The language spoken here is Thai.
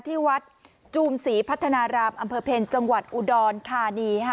ที่วัดจูมศรีพัฒนารามอำเภอเพลจังหวัดอุดรธานีค่ะ